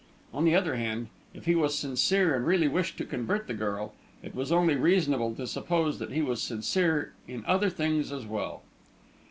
On the other hand, if he was sincere and really wished to convert the girl, it was only reasonable to suppose that he was sincere in other things as well.